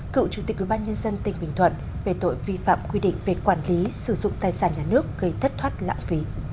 cựu chủ tịch ubnd tỉnh bình thuận về tội vi phạm quy định về quản lý sử dụng tài sản nhà nước gây thất thoát lãng phí